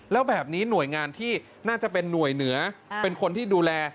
แล้วแบบนี้หน่วยงานที่น่าจะเป็นหน่วยเหนือเป็นคนที่ดูแล